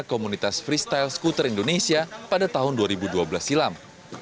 komunitas freestyle skuter indonesia pada tahun dua ribu dua belas silam